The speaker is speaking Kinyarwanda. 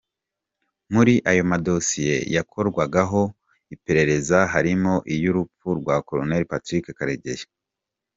Muri ayo madosiye yakorwagaho iperereza harimo iy’urupfu rwa Col Patrick Karegeya.